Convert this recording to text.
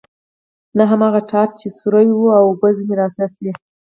نه هم هغه ټاټ چې سوری و او اوبه ځنې را څاڅي.